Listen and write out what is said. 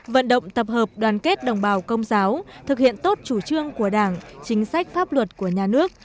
vận động tập hợp đoàn kết đồng bào công giáo thực hiện tốt chủ trương của đảng chính sách pháp luật của nhà nước